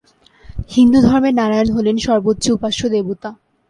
হিন্দুধর্মে নারায়ণ হলেন সর্বোচ্চ উপাস্য দেবতা।